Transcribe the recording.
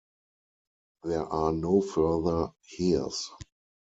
There are no further heirs.